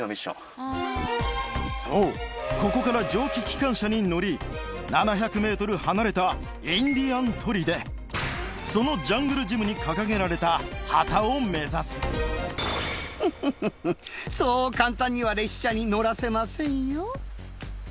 そうここから蒸気機関車に乗り７００ｍ離れたインディアン砦そのジャングルジムに掲げられた旗を目指すフッフッフッフそう簡単には列車に乗らせませんよ。